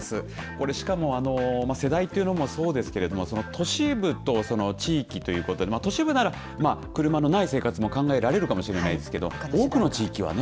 これしかも世代というのもそうですけれども都市部と、その地域ということで都市部なら車のない生活も考えられるかもしれないですけど多くの地域はね